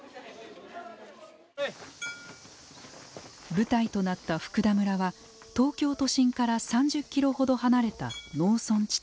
舞台となった福田村は東京都心から３０キロほど離れた農村地帯。